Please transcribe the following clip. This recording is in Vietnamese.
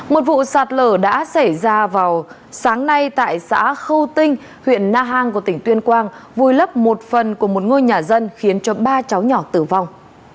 một vụ sạt lở đã xảy ra vào sáng nay tại xã khâu tinh huyện na hàng của tỉnh tuyên quang vùi lấp một phần của một ngôi nhà dân khiến cho ba cháu nhỏ tử vong